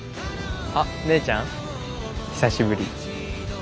あっ姉ちゃん久しぶり。